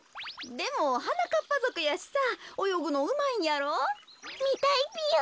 でもはなかっぱぞくやしさおよぐのうまいんやろ？みたいぴよ！